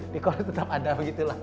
di konon tetap ada begitulah